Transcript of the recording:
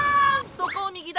そこを右だ。